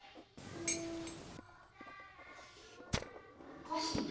おかしいね。